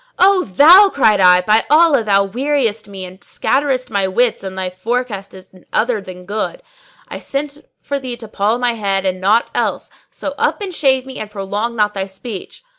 "O thou," cried I, "by Allah, thou weariest me and scatterest my wits and thy forecast is other than good; I sent for thee to poll my head and naught else: so up and shave me and prolong not thy speech."